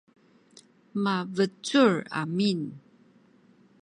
mabecul amin